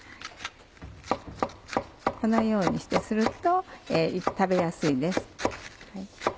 このようにすると食べやすいです。